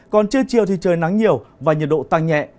còn trưa chiều thì trời nắng nhiều và nhiệt độ tăng nhẹ